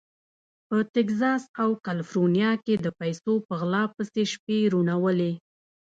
په تګزاس او کالیفورنیا کې د پیسو په غلا پسې شپې روڼولې.